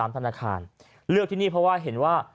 ธนาคารเลือกที่นี่เพราะว่าเห็นว่า